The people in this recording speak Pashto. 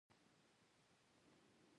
زه ورزش وکم؟